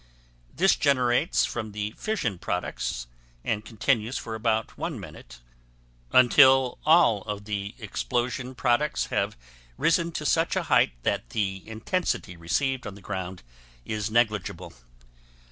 This generates from the fission products and continues for about one minute until all of the explosion products have risen to such a height that the intensity received on the ground is negligible.